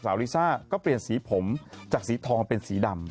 ลิซ่าก็เปลี่ยนสีผมจากสีทองเป็นสีดำ